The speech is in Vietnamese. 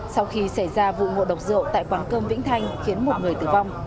sau khi xảy ra vụ ngộ độc rượu tại quán cơm vĩnh thanh khiến một người tử vong